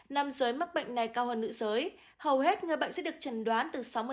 nam giới mắc bệnh này cao hơn nữ giới hầu hết người bệnh sẽ được trần đoán từ sáu mươi bảy mươi tuổi